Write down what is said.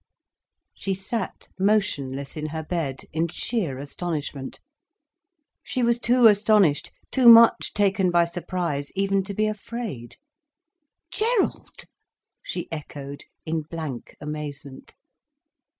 She sat motionless in her bed in sheer astonishment. She was too astonished, too much taken by surprise, even to be afraid. "Gerald!" she echoed, in blank amazement.